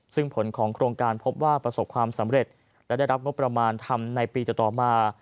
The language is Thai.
ซึ่งผลของโครงการพบว่าประสบความสำเร็จและได้รับงบประมาณทำในปีต่อมา